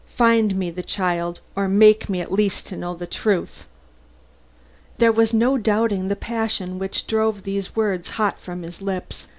Find me the child, or make me at least to know the truth!" There was no doubting the passion which drove these words hot from his lips.